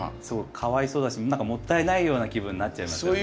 かわいそうだしもったいないような気分になっちゃいますよね。